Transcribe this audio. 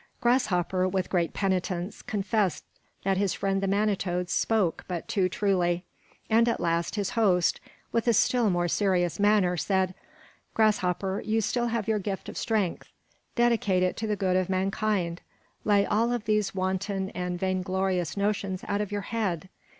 Grasshopper, with great penitence, confessed that his friend the Manito spoke but too truly; and at last his host, with a still more serious manner, said: "Grasshopper, you still have your gift of strength. Dedicate it to the good of mankind. Lay all of these wanton and vainglorious notions out of your head.